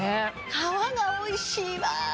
皮がおいしいわ！